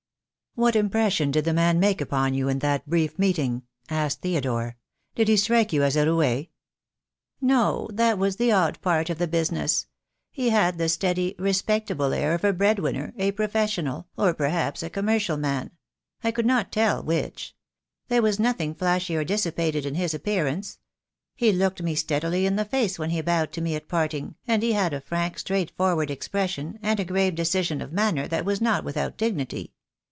"What impression did the man make upon you in that brief meeting?" asked Theodore. "Did he strike you as a roue?" "No, that was the odd part of the business. He had 2 62 THE DAY WILL COME. the steady, respectable air of a bread winner, a professional, or perhaps a commercial man. I could not tell which. There was nothing flashy or dissipated in his appearance. He looked me steadily in the face when he bowed to me at parting, and he had a frank, straightforward expression, and a grave decision of manner that was not without dignity.